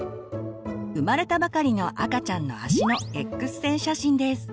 生まれたばかりの赤ちゃんの足のＸ線写真です。